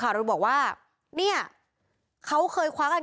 หัวฟาดพื้น